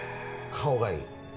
顔がいい。